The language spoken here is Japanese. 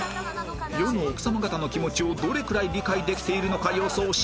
世の奥様方の気持ちをどれくらい理解できているのか予想し対決